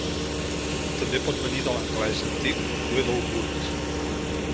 També pot venir de l'anglès antic "Willow Wood".